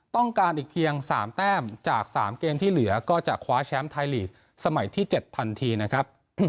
ต้องการอีกเพียง๓แต้มจาก๓เกมที่เหลือก็จะคว้าแชมป์ไทยลีกสมัยที่๗ทันทีนะครับ